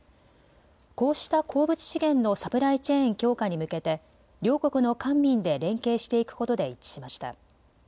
こうした鉱物資源のサプライチェーン強化に向けて両国の官民で連携していくことで一致しました。